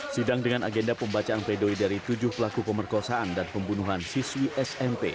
sidang dengan agenda pembacaan pledoi dari tujuh pelaku pemerkosaan dan pembunuhan siswi smp